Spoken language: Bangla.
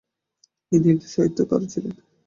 তিনি একজন সাহিত্যকারও ছিলেন।